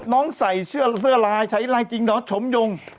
น้องใส่เสื้อลายใช้ไลน์จริงเหรอชมยง